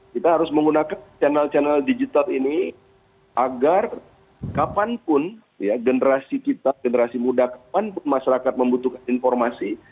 kita harus menggunakan channel channel digital ini agar kapanpun ya generasi kita generasi muda kapan masyarakat membutuhkan informasi